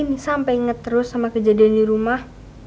nisa sampai ingat terus sama kejadian di rumah